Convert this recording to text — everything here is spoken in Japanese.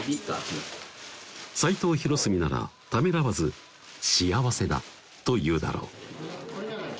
齋藤ヒロスミならためらわず「幸せだ」と言うだろう